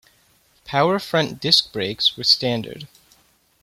Power front disc brakes were standard.